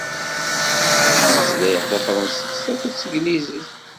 Ttmeslayeɣ tafransist akked teglizit.